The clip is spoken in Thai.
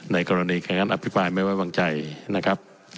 ในกรณีแขนอภิปรายไม่ไว้วางใจนะครับ